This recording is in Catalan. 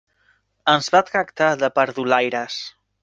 Ens va tractar de perdulaires.